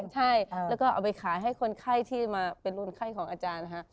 ใช่แล้วก็เอาไปขายให้คนไข้ที่มาเป็นรุ่นไข้ของอาจารย์นะคะ